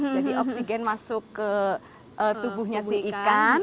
jadi oksigen masuk ke tubuhnya si ikan